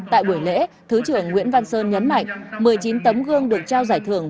tại buổi lễ thứ trưởng nguyễn văn sơn nhấn mạnh một mươi chín tấm gương được trao giải thưởng